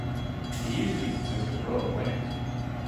They usually consist of row of lamps.